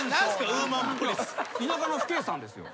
「ウーマンポリス」田舎の婦警さんですよ。